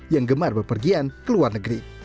yang gemar berpergian ke luar negeri